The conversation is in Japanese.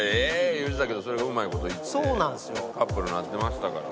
言うてたけどそれがうまい事いってカップルになってましたから。